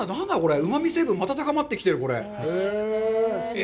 うまみ成分、また高まってきている。